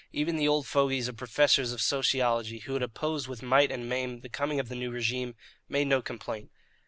Even the old fogies of professors of sociology, who had opposed with might and main the coming of the new regime, made no complaint.